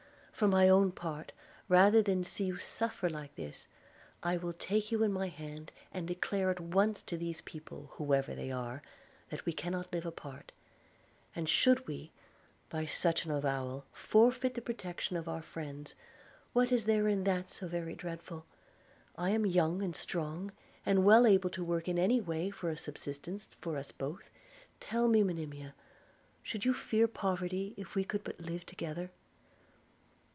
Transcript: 'For my own part, rather than see you suffer this, I will take you in my hand, and declare at once to these people, whoever they are, that we cannot live apart. And should we, by such an avowal, forfeit the protection of our friends, what is there in that so very dreadful? I am young and strong, and well able to work in any way for a subsistence for us both. Tell me, Monimia, should you fear poverty, if we could but live together?'